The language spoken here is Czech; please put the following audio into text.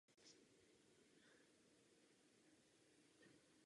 Mezi ekonomikami používajícími euro panují velké rozdíly, uvedl.